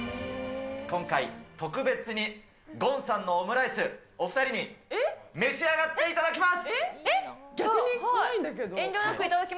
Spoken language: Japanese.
今回、特別にごんさんのオムライス、お２人に召し上がっていただきます。